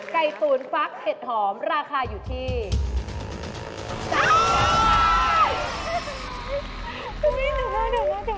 ไก่ตูนฟักเห็ดหอมราคาอยู่ที่๓๐๐๐๐บาท